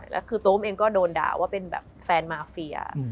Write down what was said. แล้วคือตัวอุ้มเองก็โดนด่าว่าเป็นแฟนมาฟเฟีย์